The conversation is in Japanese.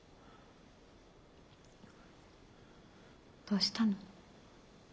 どうしたの？